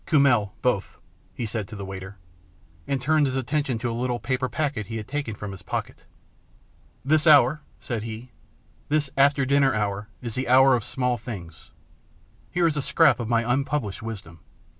Kummel both," he said to the waiter, and turned his attention to a little paper packet he had taken from his pocket. " This hour," said he, " this after dinner hour is the hour of small things. Here is a scrap of my unpublished wisdom."